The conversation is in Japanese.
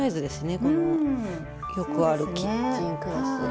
このよくあるキッチンクロスが。